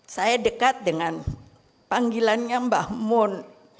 saya dekat dengan panggilannya mbah mun